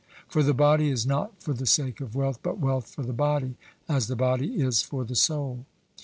For the body is not for the sake of wealth, but wealth for the body, as the body is for the soul.